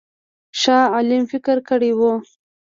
شاه عالم فکر کړی وو.